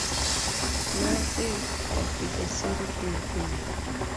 Nodhi ka Kijasiri piyopiyo.